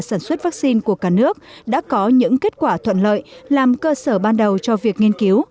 sản xuất vaccine của cả nước đã có những kết quả thuận lợi làm cơ sở ban đầu cho việc nghiên cứu